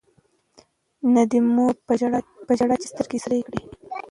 نه دي مور وه په ژړا چي سترګي سرې کړي